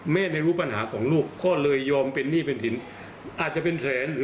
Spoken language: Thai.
แม่ในรู้ปัญหาของลูกก็เลยยอมเป็นหนี้เป็นถิ่น